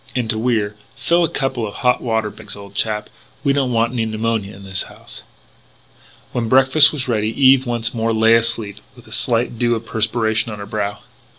And, to Wier, "Fill a couple of hot water bags, old chap. We don't want any pneumonia in this house." When breakfast was ready Eve once more lay asleep with a slight dew of perspiration on her brow.